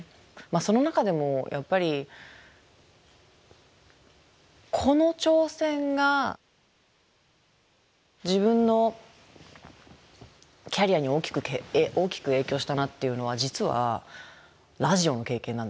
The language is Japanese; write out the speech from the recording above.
その中でもやっぱりこの挑戦が自分のキャリアに大きく影響したなっていうのは実はラジオの経験なんですよね。